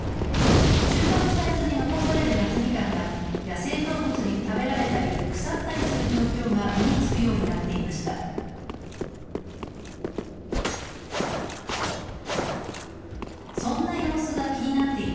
収穫されずに残される夏みかんが野生動物に食べられたり腐ったりする状況が目につくようになっていました。